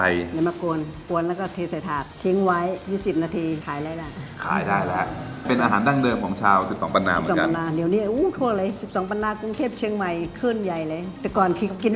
อีกครั้งและก็มากล่องอีกที